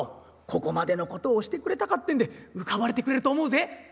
ここまでのことをしてくれたかってんで浮かばれてくれると思うぜ」。